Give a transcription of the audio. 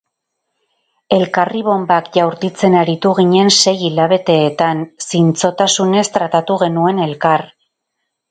Elkarri bonbak jaurtitzen aritu ginen sei hilabeteetan, zintzotasunez tratatu genuen elkar.